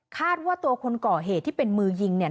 ว่าตัวคนก่อเหตุที่เป็นมือยิงเนี่ย